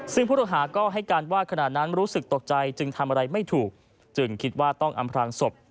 ซึ่งผู้ต้องหาก็ให้การว่าขณะนั้นรู้สึกตกใจจึงทำอะไรไม่ถูกจึงคิดว่าต้องอำพลางศพ